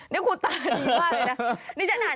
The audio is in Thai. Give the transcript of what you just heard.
นี่คุณตาดีมากเลยนะ